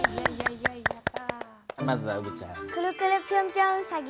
まずはうぶちゃん。